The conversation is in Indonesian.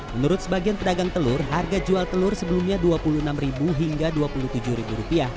menurut sebagian pedagang telur harga jual telur sebelumnya rp dua puluh enam hingga rp dua puluh tujuh